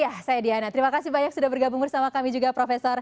ya saya diana terima kasih banyak sudah bergabung bersama kami juga prof